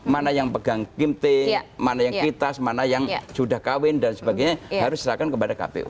mana yang pegang kimte mana yang kertas mana yang sudah kawin dan sebagainya harus diserahkan kepada kpu